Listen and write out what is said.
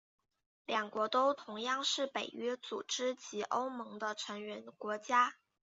两国都同样是北约组织及欧盟的成员国家。